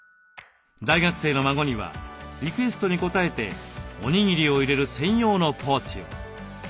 大学生の孫にはリクエストに応えておにぎりを入れる専用のポーチを。